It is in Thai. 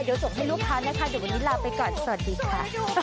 เดี๋ยวส่งให้ลูกค้านะคะเดี๋ยววันนี้ลาไปก่อนสวัสดีค่ะ